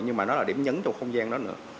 nhưng mà nó là điểm nhấn trong không gian đó nữa